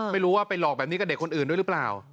ไม่รู้ว่าไปหลอกแบบนี้กับเด็กคนอื่นด้วยหรือเปล่า